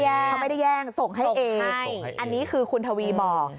เขาไม่ได้แย่งส่งให้เองอันนี้คือคุณทวีบอก